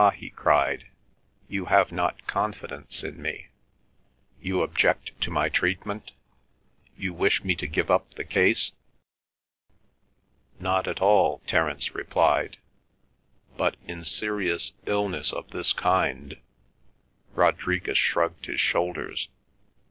he cried. "You have not confidence in me? You object to my treatment? You wish me to give up the case?" "Not at all," Terence replied, "but in serious illness of this kind—" Rodriguez shrugged his shoulders.